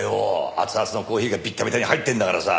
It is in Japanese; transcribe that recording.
熱々のコーヒーがビッタビタに入ってるんだからさ。